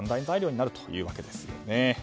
材料になるというわけです。